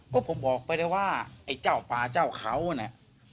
ก็ผมบอกไปแล้วว่าไอ้เจ้าป่าเจ้าเขาเนี่ย